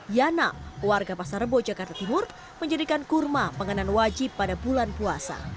yana warga pasar rebo jakarta timur menjadikan kurma pengenan wajib pada bulan puasa